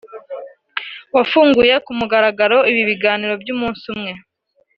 wafunguye ku mugaragaro ibi biganiro by’umunsi umwe